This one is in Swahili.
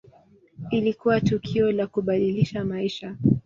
Ilikuwa tukio la kubadilisha maisha.